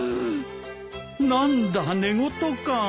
何だ寝言か。